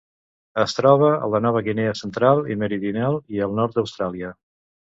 Es troba a la Nova Guinea central i meridional i el nord d'Austràlia.